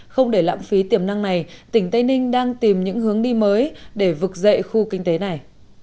không để lãng phí tiềm năng này tỉnh tây ninh đang tìm những hướng đi mới để vực dậy khu kinh tế này